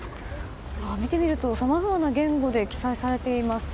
見てみると、さまざまな言語で記載されています。